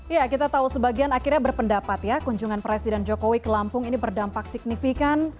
ya kita tahu sebagian akhirnya berpendapat ya kunjungan presiden jokowi ke lampung ini berdampak signifikan